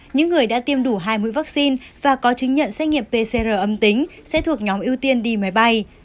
những người đã tiêm đủ hai mũi vaccine và có chứng nhận xét nghiệm pcr âm tính sẽ thuộc nhóm ưu tiên đi máy bay